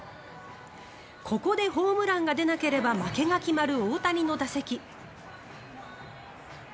ここでホームランが出なければ負けが決まる大谷の打席。